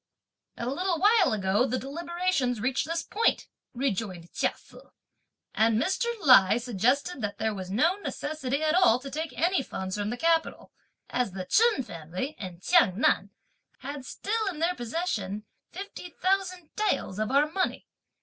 "A little while ago the deliberations reached this point," rejoined Chia Se; "and Mr. Lai suggested that there was no necessity at all to take any funds from the capital, as the Chen family, in Chiang Nan, had still in their possession Tls. 50,000 of our money.